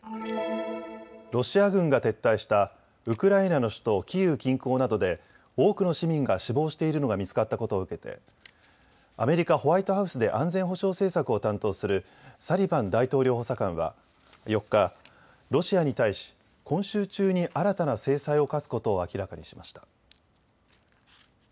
ロシア軍が撤退したウクライナの首都キーウ近郊などで多くの市民が死亡しているのが見つかったことを受けてアメリカ・ホワイトハウスで安全保障政策を担当するサリバン大統領補佐官は４日、ロシアに対し今週中に新たな制裁を科すことを明らかにしました。